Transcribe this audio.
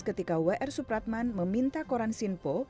ketika w r supratman meminta koran sinpo